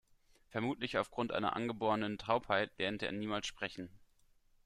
Vermutlich aufgrund einer angeborenen Taubheit lernte er niemals sprechen.